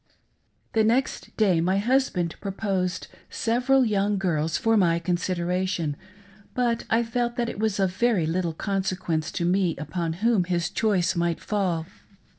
THE next day my husband proposed several young girls for my consideration, but I felt that it was of very little consequence to me upon whom his choice might fall.